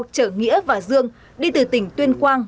chở nghĩa và dương đi từ tỉnh tuyên quang